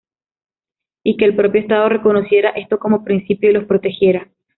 Y que el propio Estado reconociera esto como principio y los protegiera.